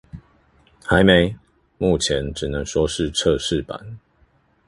還沒，目前只能說是測試版